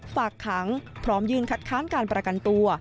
ฝากขังพร้อมยื่นคัดค้านการประกันตัว